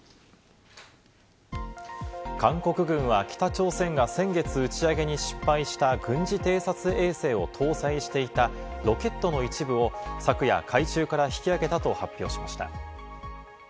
韓国軍は、北朝鮮が先月打ち上げに失敗した軍事偵察衛星を搭載していたロケットの一部を昨夜、海中から引き揚げたと発表しました。